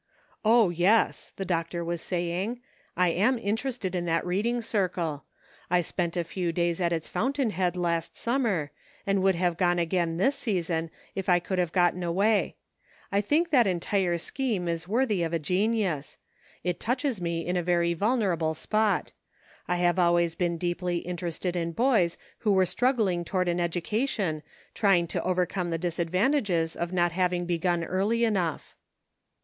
" O, yes," the doctor was saying, " I am inter ested in that reading circle ; I spent a few days at its fountain head last summer, and would have gone again this season if I could have gotten away ; I think that entire scheme is worthy of a genius ; it touches me in a very vulnerable spot ; I have always been deeply interested in boys who HAPPENINGS. 191 Were struggling toward an education, trying to overcome the disadvantages of not having begun early enough."